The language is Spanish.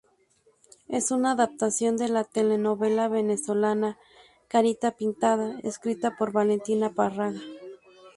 Es una adaptación de la telenovela venezolana "Carita pintada", escrita por Valentina Párraga.